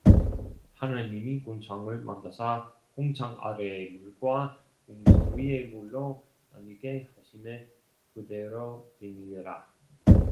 하나님이 궁창을 만드사 궁창 아래의 물과 궁창 위의 물로 나뉘게 하시매 그대로 되니라